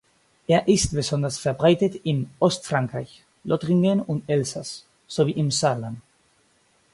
Er ist besonders verbreitet in Ostfrankreich (Lothringen und Elsass) sowie im Saarland.